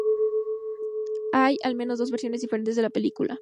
Hay al menos dos versiones diferentes de la película.